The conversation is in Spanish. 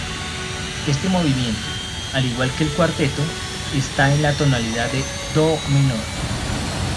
Este movimiento, al igual que el cuarteto, está en la tonalidad de "do "menor.